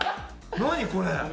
何これ？